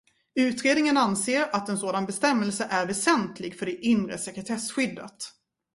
Utredningen anser att en sådan bestämmelse är väsentlig för det inre sekretessskyddet.